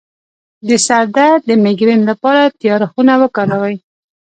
د سر درد د میګرین لپاره تیاره خونه وکاروئ